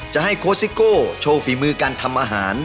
จะให้โค้ซิโก้โชว์ฝีมือการทำอาหาร